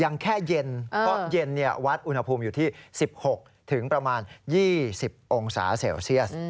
ยังแค่เย็นเพราะเย็นเนี่ยวัดอุณหภูมิอยู่ที่๑๖๒๐องศาเซลเซียส